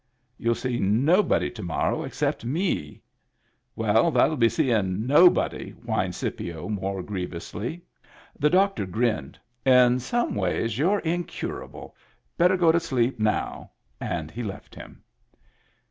"" You'll see nobody to morrow except me." "Well, that'll be seein' nobody," whined Scipio, more grievously. Digitized by Google HAPPy TEETH 31 The doctor grinned. " In some ways you're incurable. Better go to sleep now." And he left him.